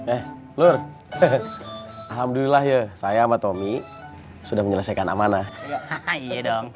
eh lur alhamdulillah ya saya sama tommy sudah menyelesaikan amanah dong